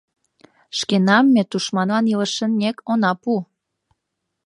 Шкенам ме тушманлан илышынек она пу...